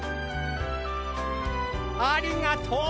ありがとう！